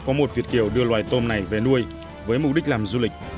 có một việt kiều đưa loài tôm này về nuôi với mục đích làm du lịch